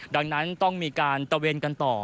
ดังนั้นต้องมีการตะเวนกันต่อ